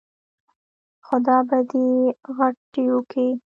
خدا به دې ِغوټېو کې